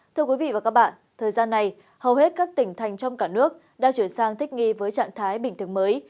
thưa quý vị và các bạn thời gian này hầu hết các tỉnh thành trong cả nước đã chuyển sang thích nghi với trạng thái bình thường mới